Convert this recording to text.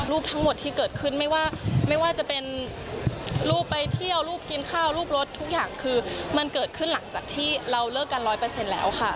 ทั้งหมดที่เกิดขึ้นไม่ว่าไม่ว่าจะเป็นรูปไปเที่ยวรูปกินข้าวรูปรถทุกอย่างคือมันเกิดขึ้นหลังจากที่เราเลิกกันร้อยเปอร์เซ็นต์แล้วค่ะ